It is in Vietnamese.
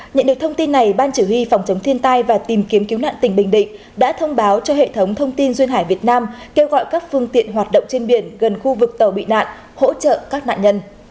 nhận được thông tin này ban chỉ huy phòng chống thiên tai và tìm kiếm cứu nạn tỉnh bình định đã thông báo cho hệ thống thông tin duyên hải việt nam kêu gọi các phương tiện hoạt động trên biển gần khu vực tàu bị nạn hỗ trợ các nạn nhân